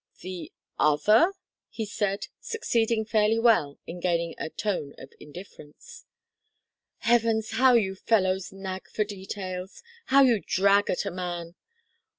"The other?" he said, succeeding fairly well in gaining a tone of indifference. "Heavens how you fellows nag for details! How you drag at a man!